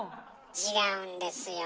違うんですよ。